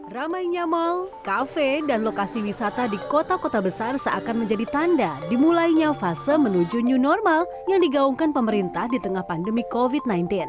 ramainya mal kafe dan lokasi wisata di kota kota besar seakan menjadi tanda dimulainya fase menuju new normal yang digaungkan pemerintah di tengah pandemi covid sembilan belas